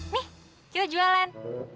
nih kita jualan